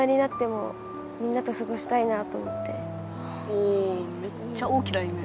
おめっちゃ大きな夢。